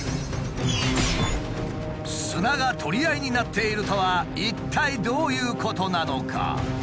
砂が取り合いになっているとは一体どういうことなのか？